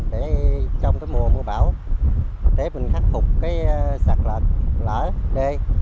để trong cái mùa mùa bão để mình khắc phục cái sạc lệch lỡ đê